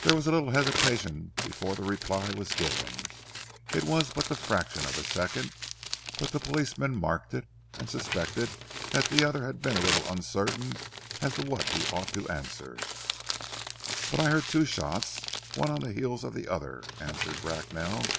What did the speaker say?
There was a little hesitation before the reply was given. It was but the fraction of a second, but the policeman marked it, and suspected that the other had been a little uncertain as to what he ought to answer. "But I heard two shots one on the heels of the other," answered Bracknell.